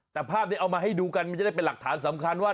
แต่ภาพนี้เอามาให้ดูกันมันจะได้เป็นหลักฐานสำคัญว่า